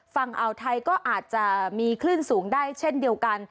ฝั่งอ่าวไทยก็อาจจะมีคลื่นสูงได้เช่นเดียวกัน